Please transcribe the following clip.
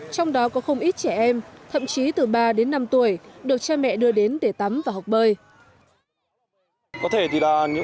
trong đó có không ít trẻ em thậm chí từ ba đến năm tuổi được cha mẹ đưa đến để tắm và học bơi